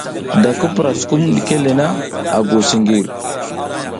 Da ki pura sukum ɗike le na, a nguw siƞgir.